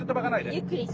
ゆっくり。